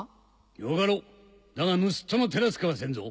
よかろうだが盗っ人の手助けはせんぞ。